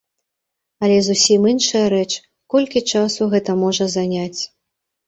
Але зусім іншая рэч, колькі часу гэта можа заняць.